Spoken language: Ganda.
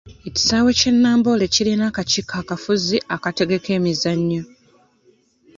Ekisaawe ky'e Namboole kirina akakiiko akafuzi akutegeka emizannyo.